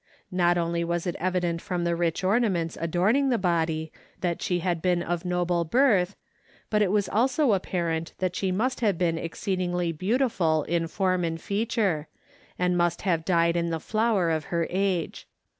Not only was it evident from the rich ornaments adorning the body that she had been of noble birth, but it was also apparent that she must have been exceedingly beautiful in form and feature, and must have died in the flower of her age.